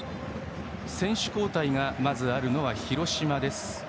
選手交代がまずあるのは広島です。